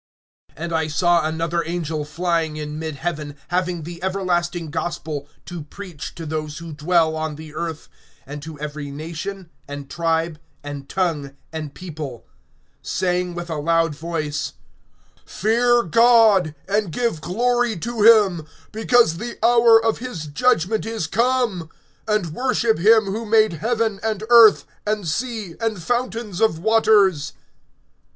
(6)And I saw another angel flying in mid heaven, having the everlasting gospel[14:6] to preach to those who dwell on the earth, and to every nation, and tribe, and tongue, and people; (7)saying with a loud voice: Fear God, and give glory to him, because the hour of his judgment is come; and worship him who made heaven and earth, and sea, and fountains of waters.